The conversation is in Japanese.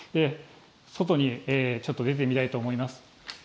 外にちょっと出てみたいと思います。